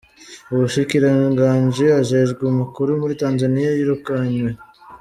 Umushikiranganji ajejwe amakuru muri Tanzaniya yirukanywe.